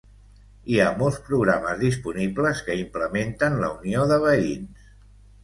Hi ha molts programes disponibles que implementen la unió de veïns.